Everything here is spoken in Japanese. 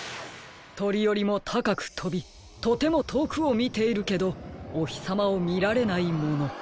とりよりもたかくとびとてもとおくをみているけどおひさまをみられないもの。